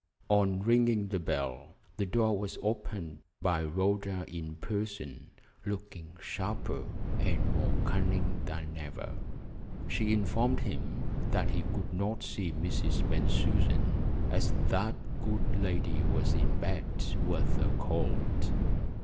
On ringing the bell, the door was opened by Rhoda in person, looking sharper and more cunning than ever. She informed him that he could not see Mrs. Bensusan, as that good lady was in bed with a cold.